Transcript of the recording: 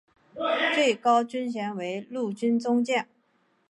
最高军衔为陆军中将。